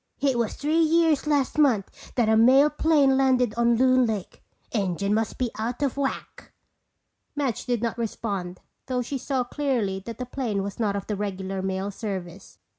"It was three years last month that a mail plane landed on Loon Lake. Engine must be out of whack." Madge did not respond though she saw clearly that the plane was not of the regular mail service.